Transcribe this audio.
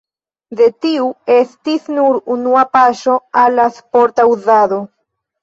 De tiu estis nur unua paŝo al la sporta uzado.